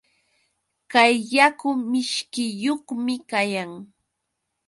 Kay yaku mishkiyuqmi kayan.